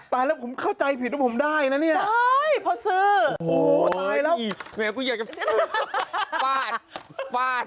ตายแล้วผมเข้าใจผิดว่าผมได้นะเนี่ยโอ้โหตายแล้วแม่กูอยากจะฟาดฟาด